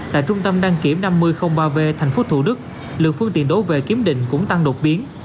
tại trung tâm đăng kiểm năm nghìn ba v thành phố thủ đức lượng phương tiện đối về kiểm định cũng tăng đột biến